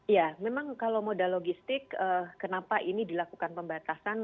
ya memang kalau moda logistik kenapa ini dilakukan pembatasan